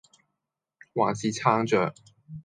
還是撐著